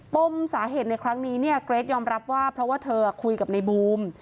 ปมสาเหตุในครั้งนี้เนี่ยเกรทยอมรับว่าเพราะว่าเธอคุยกับในบูม